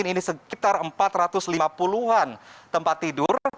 ini sekitar empat ratus lima puluh an tempat tidur